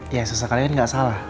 ya sesekalian gak salah